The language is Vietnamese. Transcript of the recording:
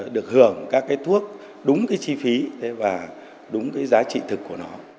được hưởng các cái thuốc đúng cái chi phí và đúng cái giá trị thực của nó